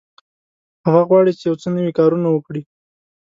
هغه غواړي چې یو څه نوي کارونه وکړي.